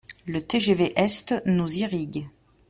Le TGV Est nous irrigue.